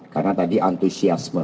karena tadi antusiasme